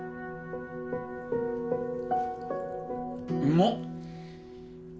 うまっ！